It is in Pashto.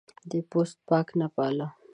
دی پوست پاک نه باله.